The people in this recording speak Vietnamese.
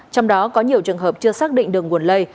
trong đó có nhiều trường hợp chưa xác định được nguồn lây